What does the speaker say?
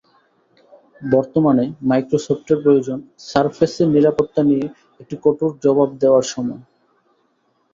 বর্তমানে মাইক্রোসফটের প্রয়োজন সারফেসের নিরাপত্তা নিয়ে একটি কঠোর জবাব দেওয়ার সময়।